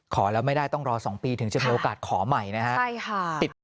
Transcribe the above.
ขอแล้วไม่ได้ต้องรอ๒ปีถึงจะมีโอกาสขอใหม่นะฮะ